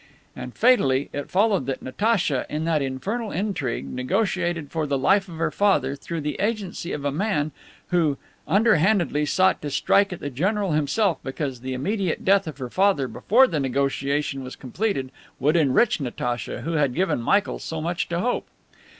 And, fatally, it followed that Natacha, in that infernal intrigue, negotiated for the life of her father through the agency of a man who, underhandedly, sought to strike at the general himself, because the immediate death of her father before the negotiation was completed would enrich Natacha, who had given Michael so much to hope.